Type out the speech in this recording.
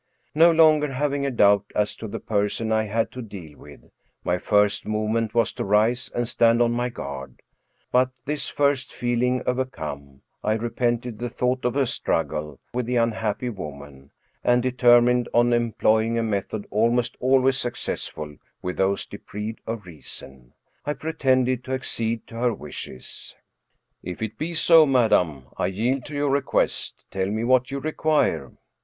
No longer having a doubt as to the person I had to deal with, my first movement was to rise and stand on my guard; but this first feeling overcome, I repented the thought of a struggle with the unhappy woman, and deter mined on employing a method almost always successful with those deprived of reason. I pretended to accede to her wishes. "If it be so, madam I yield to your request. Tell me what you require."